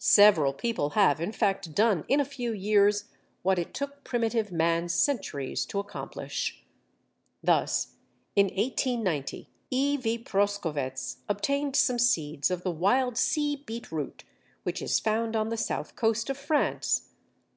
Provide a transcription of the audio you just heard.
Several people have, in fact, done in a few years what it took primitive man centuries to accomplish. Thus, in 1890, E. v. Proskowetz obtained some seeds of the wild Sea beetroot which is found on the south coast of France.